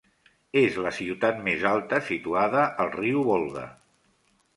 És la ciutat més alta situada al riu Volga.